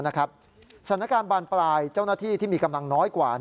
สถานการณ์บานปลายเจ้าหน้าที่ที่มีกำลังน้อยกว่า